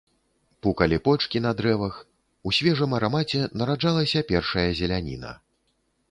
Пукалі почкі на дрэвах, у свежым арамаце нараджалася першая зеляніна.